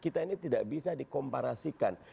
kita ini tidak bisa dikomparasikan